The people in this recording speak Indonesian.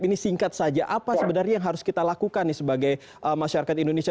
ini singkat saja apa sebenarnya yang harus kita lakukan sebagai masyarakat indonesia